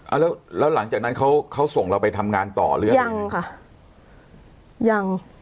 แล้วแล้วหลังจากนั้นเขาเขาส่งเราไปทำงานต่อหรือยังค่ะยัง